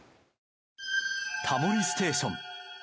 「タモリステーション」。